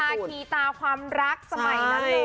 เป็นซาขีตาความรักสมัยนั้นเลย